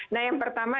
nah yang pertama